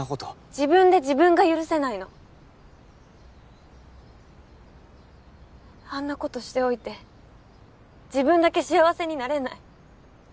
自分で自分が許せないの。あんなことしておいて自分だけ幸せになれない。